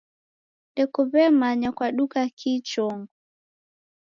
Ndekuw'emanya kwaduka kii chongo?